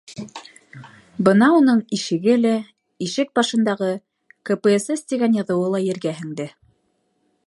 Бына уның ишеге лә, ишек башындағы «КПСС» тигән яҙыуы ла ергә һеңде.